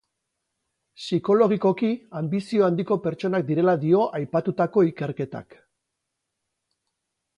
Psikologikoki anbizio handiko pertsonak direla dio aipatutako ikerketak.